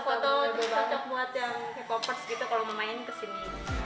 foto foto cocok buat yang hiphopers gitu kalau mau main ke sini